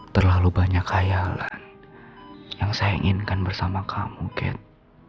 terlalu banyak khayalan yang saya inginkan bersama kamu kate